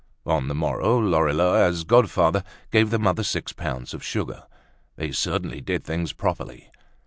On the morrow, Lorilleux, as godfather, gave the mother six pounds of sugar. They certainly did things properly!